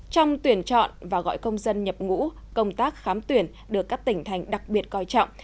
trong tuyển chọn và gọi công dân nhập ngũ công tác khám tuyển được các tỉnh thành đặc biệt coi trọng